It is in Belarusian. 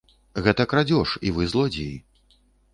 Гэта крадзеж, і вы злодзеі.